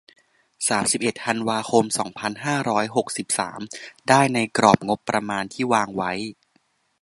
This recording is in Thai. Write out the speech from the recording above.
สามสิบเอ็ด ธันวาคม สองพันห้าร้อยหกสิบสาม ได้ ในกรอบงบประมาณที่วางไว้